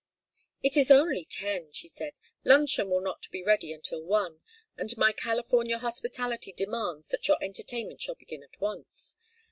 "It is only ten," she said. "Luncheon will not be ready until one, and my California hospitality demands that your entertainment shall begin at once.